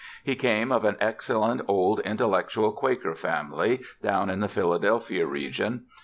He came of an excellent old intellectual Quaker family down in the Philadelphia region.